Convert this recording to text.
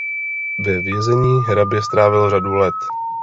Ve vězení hrabě strávil řadu let.